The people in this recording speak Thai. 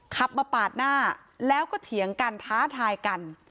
ขับมาปาดหน้าแล้วก็เถียงกันท้าทายกัน